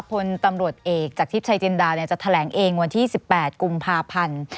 พลตำรวจเอกจากทิพย์ชายจินดาจะแถลงเองวันที่๑๘กุมภาพันธ์